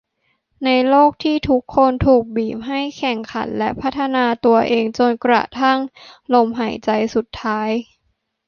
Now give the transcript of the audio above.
ในโลกที่ทุกคนถูกบีบให้แข่งขันและพัฒนาตัวเองจนกระทั่งลมหายใจสุดท้าย